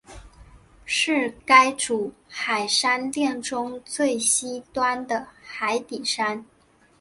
是该组海山炼中最西端的海底山。